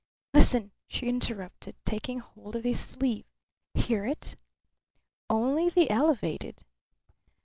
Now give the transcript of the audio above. "Listen!" she interrupted, taking hold of his sleeve. "Hear it?" "Only the Elevated."